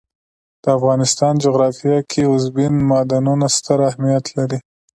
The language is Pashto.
د افغانستان جغرافیه کې اوبزین معدنونه ستر اهمیت لري.